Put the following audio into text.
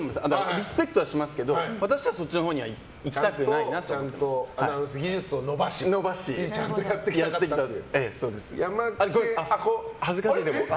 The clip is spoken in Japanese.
リスペクトはしますけど私はそっちのほうにはちゃんとアナウンス技術を伸ばしやってきたと。